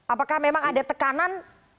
apakah memang ada tekanan